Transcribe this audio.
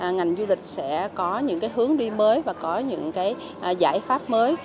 ngành du lịch sẽ có những hướng đi mới và có những giải pháp mới